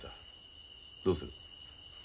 どうする？